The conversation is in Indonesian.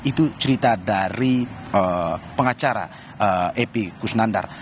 itu cerita dari pengacara epi kusnandar